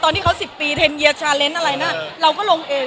ตอนที่เขา๑๐ปีเเนยเราก็ลงเอง